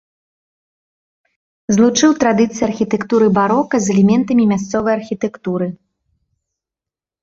Злучыў традыцыі архітэктуры барока з элементамі мясцовай архітэктуры.